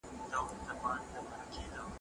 که مادي ژبه وي، نو ذهن به بې ستړیا وي.